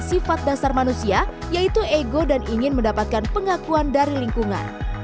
sifat dasar manusia yaitu ego dan ingin mendapatkan pengakuan dari lingkungan